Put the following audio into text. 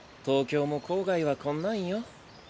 東京も郊外はこんなんよ。